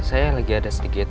saya lagi ada sedikit